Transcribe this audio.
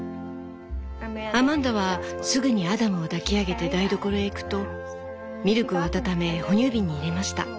「アマンダはすぐにアダムを抱き上げて台所へ行くとミルクを温め哺乳瓶に入れました。